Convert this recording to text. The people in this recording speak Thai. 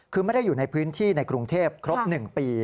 คือไม่ได้อยู่ในพื้นที่ในกรุงเทพครบ๑ปี